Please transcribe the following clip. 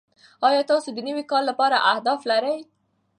ایا تاسو د نوي کال لپاره اهداف لرئ؟